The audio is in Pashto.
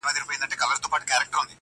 راوړئ پلار مي په رضا وي که په زوره.